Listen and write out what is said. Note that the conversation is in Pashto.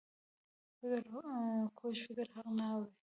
کوږ فکر حق نه اوري